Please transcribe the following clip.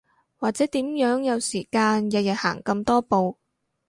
或者點樣有時間日日行咁多步